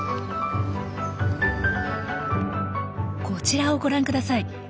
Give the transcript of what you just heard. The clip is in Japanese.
こちらをご覧ください。